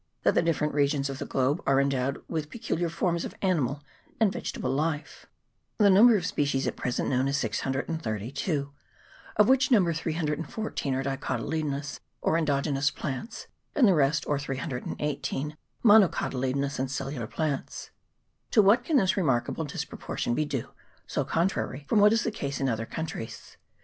that the different regions of the globe are endowed with peculiar forms of animal and vegetable life. The number of species at present known is 632, of which number 314 are dicotyledonous or endogenous plants, and the rest, or 318, monocotyledonous and cellular plants. To what can this remarkable disproportion be due so con trary from what is the case in other countries?